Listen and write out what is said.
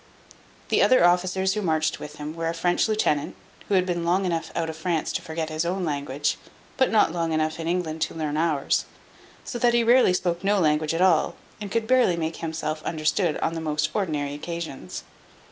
The other officers who marched with him were a French lieutenant, who had been long enough out of France to forget his own language, but not long enough in England to learn ours, so that he really spoke no language at all, and could barely make himself understood on the most ordinary occasions.